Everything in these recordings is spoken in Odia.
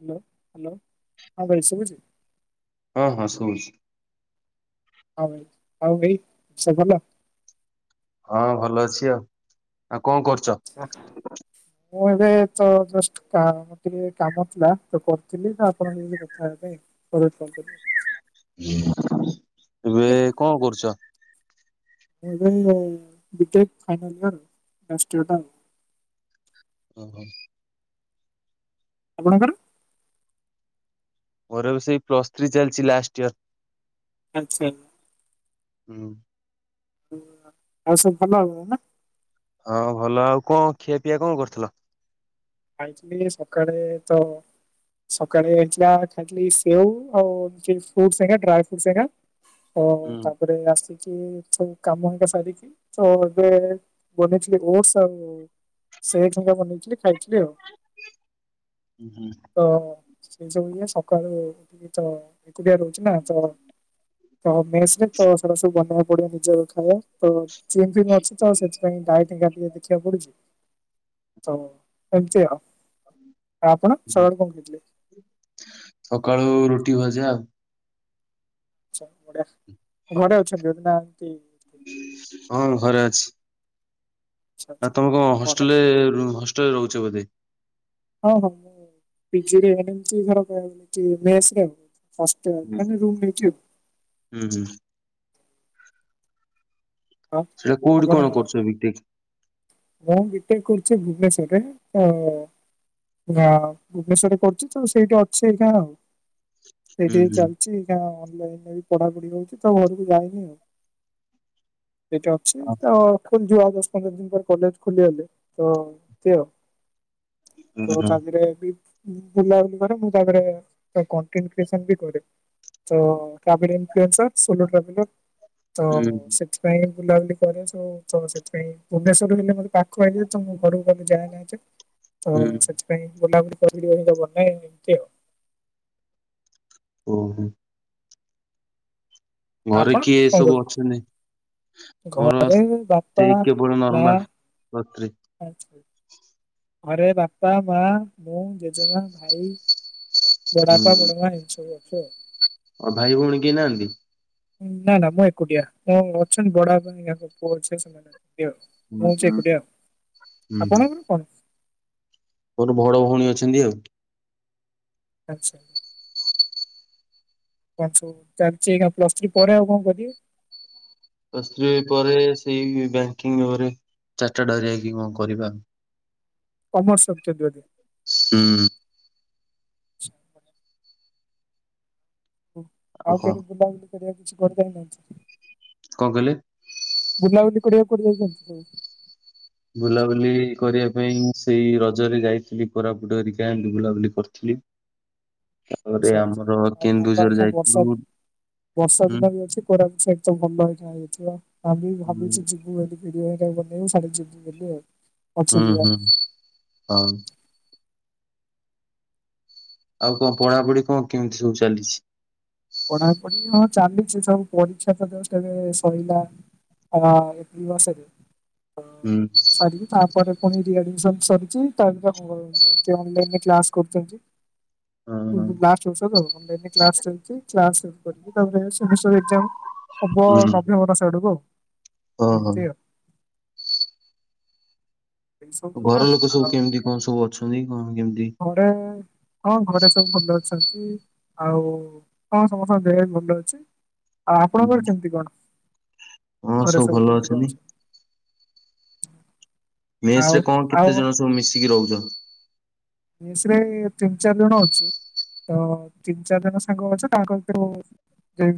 ହାଲୋ ହାଲୋ ହଁ ଭାଇ ଶୁଭୁଛି ହଁ ହଁ ଶୁଭୁଛିୁ। ହଉ ଆଉ ଭାଇ ସବୁ ଭଲ ହଁ ଭଲ ଅଛି ଆଉ ଆଉ କଣ କରୁଚ? ମୁଁ ଏବେ ଜଷ୍ଟ [inaudible] ମତେ ଟିକେ କାମ ଥିଲା ତ କରୁଥିଲି ତ ଆପଣଙ୍କ ସାଙ୍ଗରେ ଦେଖା ହବା ପାଇଁ [inaudible] ଏବେ କଣ କରୁଛ? ମୁଁ ଏବେ ବିଟେ ଫାଇନାଲ ଇା ଇା ଆଉ [inaudible] ଓ ହ। ଆପଣଙ୍କର ମୋର ଏବେ ସେଇ ପ୍ଲସ ଥ୍ରୀ ଚାଲିଛି ଲାଷ୍ଟ୍ ଇୟର। ଆଛା। ହୁଁ। ଆଉ ସବୁ ଭଲ ହବ ନା ହଁ ଭଲ ଆଉ କଣ ଖିଆ ପିଆ କଣ କରିଥିଲ? ଖାଇଥିଲି ସଖାଳେ ତ ସକାଳେ ହେଇଥିଲା ଖାଇଥିଲି ସେଉ ଆଉ ଚିପ୍ସି [inaudible] ଡ୍ରାଏ ଫ୍ରୁଟ୍ ସ ଘରିକା ଓ ହୁଁ ତାପରେ ଆସି ଏ ସବୁ କାମଙ୍କା ସାରିକି ତ ଏବେ ବନେଇଥିଲି ଓଟସ୍ ଆଉ ସେଠୁଙ୍ଗା ବନେଇଥିଲି ଖାଇଥିଲି ଆଉ। ହୁଁ ହୁଁ। ତ ସେ ସବୁ ଇଏ ସଖାଳୁ ଉଠିକି ତ ଏକୁଟିଆ ରହୁଛି ନା ତ ତ ମେସ୍ ରେ ତ ସେଗୁଡାକ ସବୁ ବନେଇଆକୁ ପଡିବ ନିଜର ଖାଇଆ ତ ଚିନ୍ ଫିନ୍ ଅଛି ତ ସେଥିପାଇଁ ଡାଏଟିଙ୍ଗ୍ ଘା ଟିକେ ଦେଖିବାକୁ ପଡୁଛି ତ ଏମିତି ଆଉ ଆପଣ ହୁଁ। ଛୁଆବଳୁ କଣ ଖାଇଥିଲେ? ସକାଳୁ ରୁଟି ଭଜା ଆଉ। ଆଛା ବଢିଆ ଘରେ ଅଛନ୍ତି ବୋଧେ ନା ଏନ୍ତି ହଁ ଘରେ ଅଛି। ଆଚ୍ଛା ଆପଣ କଣ ବଢିଆ ହଷ୍ଟେଲେ ବଢିଆ ରୁ ହଷ୍ଟେଲେ ରହୁଛ ବୋଧେ? ହଁ ହଁ ମୁଁ ପିଜି ରେ ଏମିତି [inaudible] ଘର ବୋଲି କି ମେସ୍ ଉ। ହଷ୍ଟେଲ୍ ମାନେ ରୁମ୍ ନେଇଛି ଉ। ହୁଁ ହୁଁ। ଆଉ ସେଟା କୋଉଠି ଆପଣ କଣ କରୁଛ ମିଟିଙ୍ଗ୍? ମୁଁ ମିଟିଙ୍ଗ୍ କରୁଚି ଭୁବନେଶ୍ଵରରେ ତ ନା ଭୁବନେସ୍ଵରରେ କରୁଛି ତ ସେଇଠି ଅଛ ଏଇ କାଁ ଆଉ ହୁଁ ସେଇଠି ହୁଁ ଚାଲିଛି। ଆଜ୍ଞା ଅନଲାଇନ ରେ ବି ପଢାପଢି ହଉଛି ତ ଘରକୁ ଯାଇନି ଆଉ। ସେଇଟା ଅଛି ଓହୋ ଆ ଖୋଲି ଯିବ ଆଉ ଦଶ ପନ୍ଦର ଦିନ ପରେ। କଲେଜ ଖୋଲିଗଲେ ତ ଦେ ତ ତାହରେ ବି ବୁଲାବୁଲି କରେ ମୁଁ ତାରେ କଣ୍ଟେନ୍ କ୍ରୀୟସନ୍ ବି କରେ। ତ କାବେର ମ ଫ୍ରିନ୍ସର ସୋଲୋ ଟ୍ରାଭେଲର। ତ ହୁଁ ସେଥିପାଇଁ ବୁଲାବୁଲି କରେ ସବୁ ତ ସେଥିପାଇଁ ଭଲେଶରରୁ ରହିଲେ ମତେ ପାଖ ହେଇଯାଏ ତ ମୁଁ ଘରକୁ କେବେ ଯାଏ ନାହିଁ ଯେ ତ ହୁଁ ସେଥି ପାଇଁ ବୁଲାବୁଲି କର ବନହିଁ ଏମିତି ଆଉ। ଓହୋ। ଘରେ ଆପଣ କିଏ ଏ କଣ ସବୁ କରନ୍ତି? ଅଛନ୍ତି ମୋର ଘରେ ବାପା ସେଇ କେବଳ ନର୍ମାଲ। ପତ୍ରୀ। ଆଚ୍ଛା। ଘରେ ବାପା, ମା, ମୁଁ, ଜେଜେମା, ଭାଇ। ବଡ଼ାପା, ହୁଁ ବଡ ମା ଏମିତି ସବୁ ଅଛୁ ଆଉ। ଆଉ ଭାଇ ଭଉଣୀ କେହି ନାହାନ୍ତି? ନା ନା ମୁଁ ଏକୁଟିଆଁ ଅଛନ୍ତି ବଡ ପାଇଁ ପୁଅ ଅଛ ସେମାନେ। ହୁଁ ମୁଁ ହଉଛି ଏକୁଟିଆ ଆଉ ହୁଁ ଆପଣଙ୍କ କଣ? ମୋର ଭଡ ଭଉଣୀ ଅଛନ୍ତି ଆଉ। ଆଚ୍ଛା। କ ଚାଲିଛି ଏଇଁଖ ପ୍ଲସ୍ଥ୍ରୀ ପରେ ଆଉ କଣ କରିବେ? ପ୍ଲସ ଥ୍ରି ପରେ ସେଇ ବ୍ୟାଙ୍କିଙ୍ଗ ଭାବରେ ଚାରିଟା ଡରି ଆଇକି କଣ କରିବା? କମର୍ସ ରଖିଛନ୍ତି ବୋଧେ? ହୁଁ। [inaudible] ହ ଆଉ କେଠି ବୁଲାବୁଲି କରିବା କିଛି କରିଦେଇନାହିଁ? କଣ କହିଲେ? ବୁଲାବୁଲି କରିବାକୁ କୁଆଡେ ଯାଇଛନ୍ତି ସବୁ? ବୁଲାବୁଲି କରିବା ପାଇଁ ସେଇ ରଜରେ ଯାଇଥିଲି କୋରାପୁଟ ହରିକା ବୁଲାବୁଲି କରିଥିଲି। ତାପରେ ଆଛ ଆଛା ଆମର ଆଉ ମନ କେନ୍ଦୁଝର ଅଛା ଯାଇଥିଲୁ ବର୍ଷା ହୁଁ ବର୍ଷା ହୁଁ ଦିନ ବି ଅଛି [unintelligible] କାଲି ଭାବୁଛି ଯିବି। [unintelligible] ହୁଁ ହୁଁ ହଉ। ଆଉ କଣ ପଢାପଢି କଣ କେମିତି ସବୁ ଚାଲିଛି? ପଢାପଢି ହଁ ଚାଲିଛି ସବୁ ପରୀକ୍ଷା [unintelligible] ସଇଲା। ହ ଏପ୍ରିଲ ମାସରେହଁ। ହୁଁ। ସରିକି ତାପରେ ପୁଣି ରିଆଡମିସନ ସରିଛି ତାପରେ କଣ? ଏମିତି ଅନଲାଇନ୍ କ୍ଲାସ କରୁଛନ୍ତି। ହଁ ହଁ [unintelligible] [unintelligible] କରି ତାପରେ ସେମିଷ୍ଟର ଏଜ୍ଜମ୍ ହବ ହୁଁ ନଭେମ୍ବର ମାସ ଆଡକୁ ଆଉ। ହଁ ହଁ। ଏମିତି ଆଉ ଏଇ ସବୁ କଥା ଘର ଲୋକ ସବୁ ଆଉ କେମିତି କଣ ସବୁ ଅଛନ୍ତି କଣ କେମିତି? ଘରେ ହଁ ଘରେ ସବୁ ଭଲ ଅଛନ୍ତି। ଆଉ ହଁ ସମସ୍ତଙ୍କ ଦେହ ଭଲ ଅଛି ଆଉ ହୁଁ ଆପଣଙ୍କର କେମିତି କଣ? ଘରେ ସବୁ କେମିତି କଣ ଅଛନ୍ତି? ମେସେ ଆଉ ରେ କଣ ଆଉ କେତେ ଜଣ ସବୁ ମିଶିକି ରହୁଛ? ମେସେ ରେ ତିନି ଚାରି ଜଣ ଅଛୁ। ତ ତିନି ଚାରି ଜଣ ସାଙ୍ଗ ଅଛ ତାଙ୍କ ଭିତରୁ ଯେ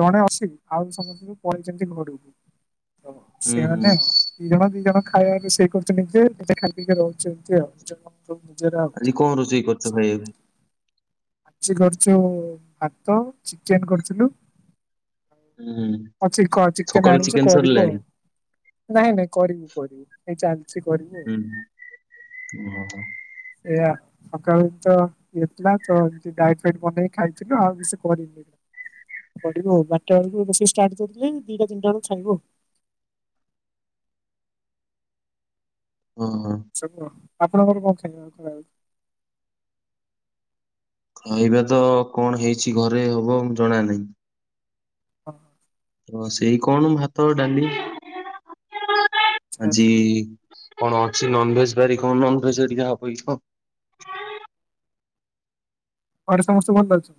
ଜଣେ ଅଛି ଆଉ ସମସ୍ତଙ୍କୁବୁ ପଳେଇଛନ୍ତି ଘରକୁ ତ ହୁଁ ହୁଁ ସେମାନେ ଦି ଜଣ ଦି ଜଣ ଖାଇବା ରୋଷେଇ କରୁଛନ୍ତି ଯେ ନିତେ ଖାଇ ପିକି ରହୁଛନ୍ତି [unintelligible] ଆଜି କଣ ରୋଷେଇ କରିଛ ଖାଇବା ପାଇଁ? ଆଜି କରିଛୁ ଭାତ, ଚିକେନ୍ କରିଥିଲୁ ହୁଁ ଆଉ ଚିକ ଚିକେନ୍ ସକାଳୁ ଆଣିଥିଲୁ ଚିକେନ କରିବୁ ସରିଲାଣି? ଆଉ। ନାଇଁ ନାଇଁ କରିବୁ କରିବୁ ଏଇ ଚାଲିଛି କରିବୁ ଆଉ। ହୁଁ। ସେଇୟା ସକାଳ ଏ ତ ଇଥିଲା ତ ଏମିତି ଡାଇଟ୍ ଫାଇଟ୍ ବନେଇକି ଖାଇଥିଲୁ ଆଉ କିଛି କରିନି। କରିବ ଆଉ ବାରଟା ବେଳକୁ ରୋଷେଇ ଷ୍ଟାର୍ଟ କରିଥିଲେ ଦିଟା ତିିଟା ବେଳକୁ ସରିବ ଆଉ। ହଁ, ହଁ। ସବୁ ଆପଣଙ୍କର କଣ ଖାଇବା ଖାଉ? ଖାଇବା ତ କଣ ହେଇଛି ଘରେ ହବ ମୁଁ ଜଣା ନାହିଁ। ହଁ। ହଁ, ସେଇ କଣ ଭାତ, ଡାଲି ଆଚ୍ଛା ଆଜି କଣ ଅଛି ନନଭେଜ ବାରି କଣ ନନଭେଜ ହେରିକା ହବ କି କଣ? ଘରେ ସମସ୍ତେ ଭଲ ଅଛି?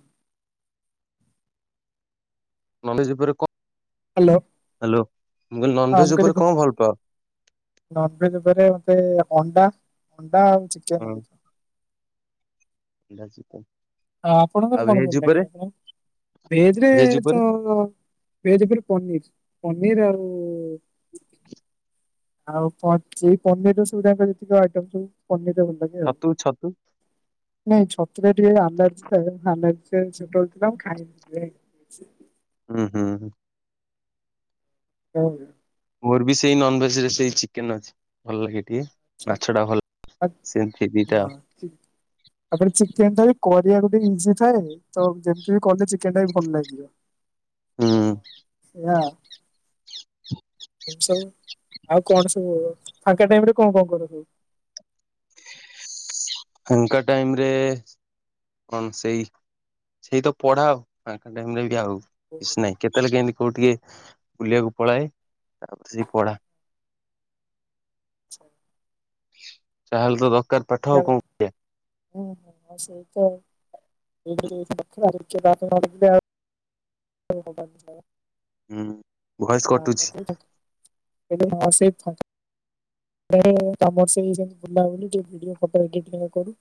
ନନଭେଜ ଉପରେ କଣ ହ୍ୟାଲୋ ହାଲୋ ମୁଁ କହିଲି ହଁ ମୁଁ ନନଭେଜ କହିଲି ଉପରେ କଣ ଭଲ ପାଅ? ନନଭେଜ ଉପରେ ମତେ ଅଣ୍ଡା, ଅଣ୍ଡା ଆଉ ଚିକେନ ହଁ ହେଇଥିଲା [unintelligible] ଆ ଆପଣଙ୍କର ଆଉ କଣ ଭଲ ଭେଜ ଲାଗିବ ଉପରେ ଆପଣ ଭେଜ ରେ ତ ଭେଜ ଭିତରେ ପନିର୍, ପନିର୍ ଆଉ ଆଉ କ ସେଇ ପନିର୍ ର ସବୁତାଙ୍କ ଯେତିକି ଆଇଟମ୍ ସବୁ ପନିର୍ ର ଭଲ ଲାଗେ। ଆଉ। ଛତୁ, ଛତୁ ନାଇଁ ଛତୁରେ ଟିକେ ଆମ୍ୱିଲା [unintelligible] ଖାଏନି ହୁଁ, ହୁଁ, ହୁଁ। ହୁଁ। ମୋର ବି ସେଇ ନନଭେଜ ରେ ସେଇ ଚିକେନ୍ ଅଛି ଭଲ ଲାଗେ ଟିକେ। ମାଛ ଟା ଭଲ ଆ- ସେମିତି ଦିଟା ଆଉ। ହଁ, ତାପରେ ଚିକେନ୍ ଟା ବି କରିବାକୁ ଟିକେ ଇଜି ଥାଏ। ତ ଯେମିତି ବି କଲେ ଚିକେନ୍ ଟା ବି ଭଲ ଲାଗିବ ହୁଁ ତ ସେଇଆ ଏମିତି ସବୁ ଆଉ କଣ ସବୁ ଫାଙ୍କା ଟାଇମ୍ ରେ କଣ କଣ କର ସବୁ? ଫାଙ୍କା ଟାଇମ୍ ରେ କଣ ସେଇ ସେଇ ତ ପଢ଼ା ଆଉ ଫାଙ୍କା ଟାଇମ୍ ରେ ବି ଆଉ କିଛି ନାହିଁ କେତେବେଳେ କେମିତି କୋଉ ଟିକେ ବୁଲିବାକୁ ପଳାଏ ତାପରେ ସେ ପଢ଼ା [inaudible] ଯାହେଲେ ତ ଦରକାର ପାଠ ଆଉ କ ହଁ, ହଁ ସେଇ ତ ଆଉ [unintelligible] [unintelligible] [unintelligible] ହୁଁ ଭଏସ କଟୁଛି [unintelligible] ମୋର ସେଇ [unintelligible] ତମର [unintelligible] ସେଇ ବୁଲାବୁଲି ଟିକେ ଭିଡିଓ ଫଟୋ ଏଡିଂ କରୁ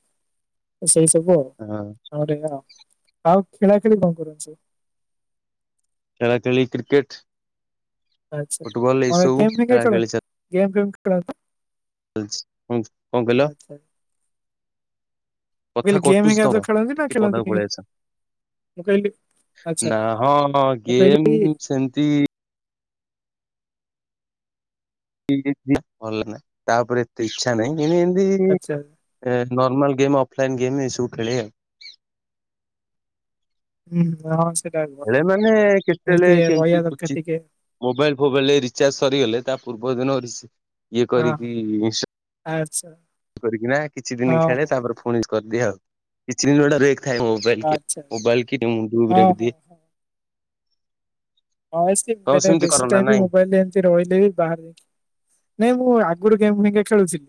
ସେଇ ସବୁ ଆଉ ହଁ। କରିନୁ ଆଉ ଖେଳାଖେଳି କଣ କରନ୍ତି। ଖେଳା ଖେଳି କ୍ରିକେଟ୍। ଆଚ୍ଛା ଗେମ୍ ଫେମ୍ ଖେଳା ଖେଳି ଖେଳନ୍ତି-ଗେମ୍ ଫେ ଖେଳନ୍ତି? ଫଲଚି ହଁମ୍। ଆଚ୍ଛା। ମୁଁ କଥା କହିଲି ଗେମ୍ କଟୁଛି ହେଇରିକା ତମର ଯଉ ଖେଳନ୍ତି ନା ଟିକେ ପଦାକୁ ଖେଳନ୍ତିନି ମୁଁ କହିଲି ଆଚ୍ଛା ଆଚ୍ଛା ନାଁ ହଉ। ହଁ ମୁଁ ଗେମ୍ କହିଲି ସେମତି ଭଲ ନା ତା ଉପରେ ଏତେ ଇଛା ନାହିଁ ଇଏନେ ଇନ୍ତି ଆଚ୍ଛା। ଏ ନରର୍ମାଲ ଗେମ୍ ଅଫ୍ଲାଇନ୍ ଗେମ୍ ଏ ସବୁ ଖେଳି ଆଉ। ହୁଁ ହ ହେ ମାନେ କେତେବେଳେ ରହିବା କେମତି ଦରକାର ଟିକେ। ଉଚିତ ମୋବାଇଲ ଫୋବାଇଲ ରିଚାର୍ଜ ସରିଗଲେ ତା ପୂର୍ବ ଦିନ ଇଏ ହଁ ହଁ କରିକି ଆଚ୍ଛା। କରିକି ନା କିଛି ଦିନ ହଁ ଖେଳେ ହଁ ତାପରେ ପୁଣି କରିଦିଏ ଆଉ କିଛି ଦିନ ଗୋଟେ ରେକ୍ ଥାଏ ମୋ ବଲିକି ଆଚ୍ଛା। ମୋବାଇଲ କି ମୁଁ ଗ୍ରୁପରେ ହଁ ବି ହଁ ଦିଏ। ହଁ। ହଁ ସେ ତମେ ମାନେ ସେମିତି କର ବେଶୀ ନା ଟାଇମ ବି ନାଇଁ? ମୋବାଇଲରେ ଏମତି ରହିଲେ ବି ବାହାରେ। ନାଇଁ ମୁଁ ଆଗରୁ ଗେମ୍ ଭିନେ ଖେଳୁ ଥିଲି।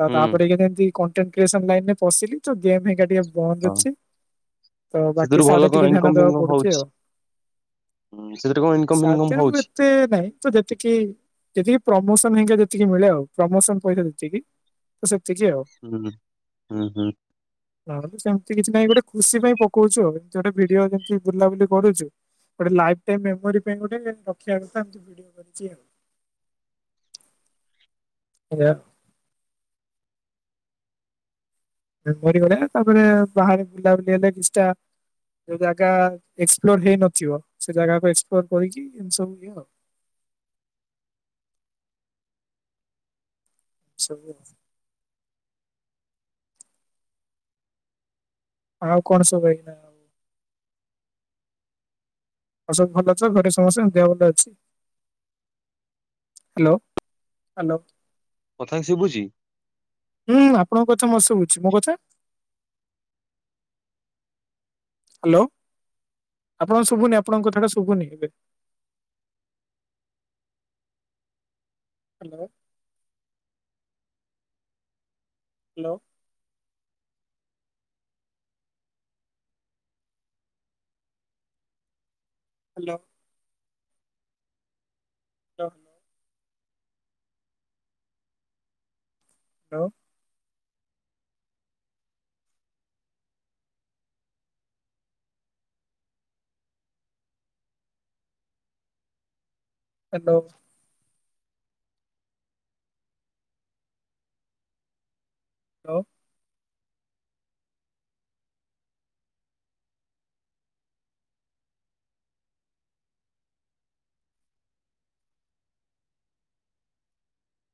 ତ ହୁଁ ତାପରେ ଯେମିତି କଣ୍ଟେଣ୍ଟ କ୍ରିଏସନ ଲାଇନ ରେ ପଶିଲି ତ ଗେମ୍ ହେଇ ଟିକେ ବନ୍ଦ ହଁ ଅଛି ତ ସେଥିରୁ ବାକି ଭଲ ସାଆଡେ କଣ ଟିକେ ଇନକମ ଧ୍ୟାନ ଦବାକୁ ପଡୁଛି ଆଉ। ହଁ ସେଥିରେ କଣ ଇନକମ ସାରେ ଫିନକମ ହଉଛି ଥିମିରେ ନାଇଁ ତ ଯେତିକି ଯେତିକି ପ୍ରମୋସନ ହରିକା ଯେତିକି ମିଳେ ଆଉ ପ୍ରମୋସନ ପଇସା ଯେତିକି ତ ସତିକଏ ଆଉ। ହୁଁ ହୁଁ ହୁଁ। ନହେଲେ ତ ସେମିତି କିଛି ନାହିଁ ଗୋଟେ ଖୁସି ପାଇଁ ପକଉଚି ଆଉ ଜଦି ଗୋଟେ ଭିଡିଓ ଯେମିତି ବୁଲାବୁଲି କରୁଚୁ। ଗୋଟେ ଲାଇଫ୍ ଟାଇମ୍ ମେମୋରି ପାଇଁ ଗୋଟେ ରଖିବା କଥା ଏମିତି ଭିଡ଼ିଓ କରିଚି ଆଉ। ଆଜ୍ଞା। ମେମୋରି ବାଲା ନା ତାପରେ ବାହାରେ ବୁଲାବୁଲି ହେଲେ କିଛିଟା ଯୋଉ ଜାଗା ଏକ୍ସପ୍ଲୋର ହେଇନଥିବ ସେ ଜାଗାକୁ ଏକ୍ସପ୍ଲୋର କରିକି ଏମିତି ସବୁ ଇଏ ଆଉ। ସବୁ। ଆଉ କଣ ସବୁ ନା ଆଉ ସବୁ ଭଲ ଅଛ ଘରେ ସମସ୍ତ ଙ୍କ ଦେହ ଭଲ ଅଛି? Hello hello. କଥା ସୁବୁଚି? ହୁଁ ଆପଣଙ୍କ କଥା ମୋତେ ସୁବୁଛି ମୋ କଥା? ହ୍ୟାଲୋ ଆପଣ ଶୁଭୁନି ଆପଣଙ୍କ କଥାଟା ଶୁଭୁନି ଏବେ। ହ୍ୟାଲୋ। ହ୍ୟାଲୋ। ହ୍ୟାଲୋ। ଟ। Hello. Hello. Hello.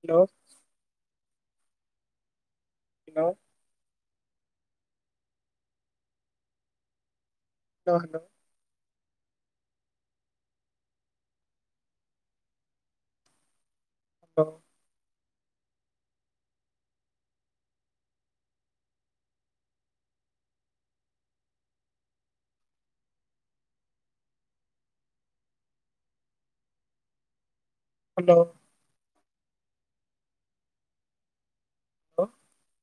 Hello. Hello. [unintelligible] ତ ହ୍ୟାଲୋ। [unintelligible]